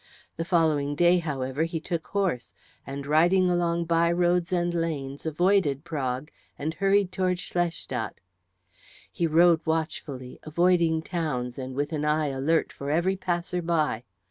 The following day, however, he took horse, and riding along by roads and lanes avoided Prague and hurried towards Schlestadt. He rode watchfully, avoiding towns, and with an eye alert for every passer by.